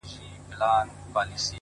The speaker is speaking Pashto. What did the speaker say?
هره تجربه د درک ژورتیا زیاتوي’